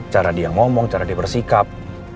cara dia ngomong cara dia bersikap